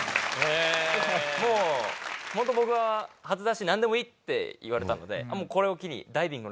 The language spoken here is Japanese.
もうホント僕は初出し何でもいいって言われたのでこれを機に。